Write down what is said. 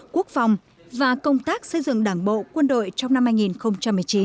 quốc phòng và công tác xây dựng đảng bộ quân đội trong năm hai nghìn một mươi chín